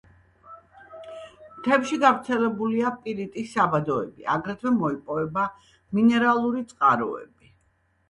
მთებში გავრცელებულია პირიტის საბადოები, აგრეთვე მოიპოვება მინერალური წყაროები.